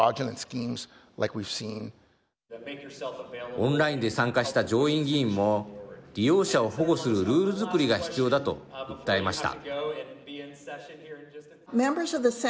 オンラインで参加した上院議員も利用者を保護するルール作りが必要だと訴えました。